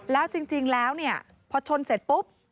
แล้วจริงแล้วเนี่ยพอชนเสร็จปุ๊บ